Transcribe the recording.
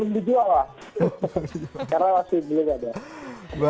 di sini belum dijual lah karena masih belum ada